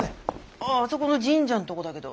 あああそこの神社のとこだけど。